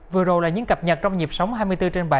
vừa rồi là những cập nhật trong nhịp sống hai mươi bốn trên bảy